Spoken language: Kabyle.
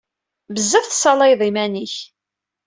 Bezzaf i tessalayeḍ iman-ik!